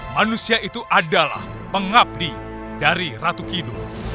manusia itu adalah pengabdi dari ratu kidul